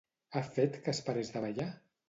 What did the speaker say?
Ha fet que es parés de ballar?